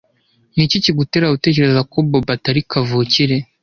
Niki kigutera gutekereza ko Bobo atari kavukire?